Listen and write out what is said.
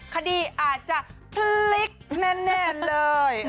คดีอาจจะพลิกแน่เลย